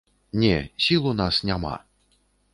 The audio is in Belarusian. Не, сіл у нас няма.